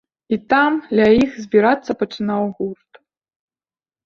І там, ля іх, збірацца пачынаў гурт.